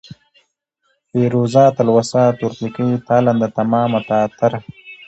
پېروزه ، تلوسه ، تورپيکۍ ، تالنده ، تمامه ، تاتره ،